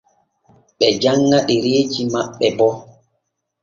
Ɓe janŋa ɗereeji maɓɓe bo.